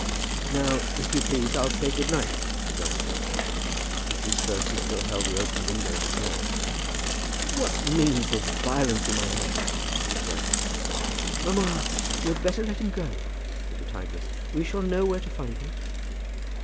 "Now, if you please, I'll say good night," said Johnny. But, as he spoke, he still held the open window in his hand. "What means this violence in my house?" said the dragon. "Mamma, you had better let him go," said the tigress. "We shall know where to find him."